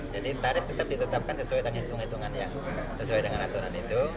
jadi tarif tetap ditetapkan sesuai dengan hitung hitungannya sesuai dengan aturan itu